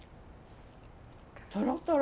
トロトロ。